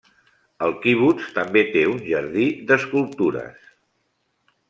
El quibuts també té un jardí d'escultures.